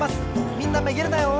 みんなめげるなよ！